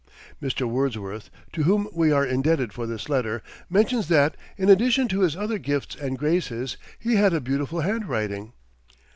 Mr. Wordsworth, to whom we are indebted for this letter, mentions that, in addition to his other gifts and graces, he had a "beautiful handwriting."